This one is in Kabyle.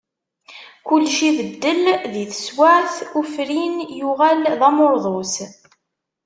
Kulec ibeddel di tesweԑt, ufrin yuγal d amurḍus.